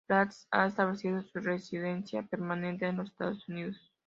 Prats ha establecido su residencia permanente en los Estados Unidos.